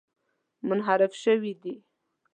منحرف شوي دي.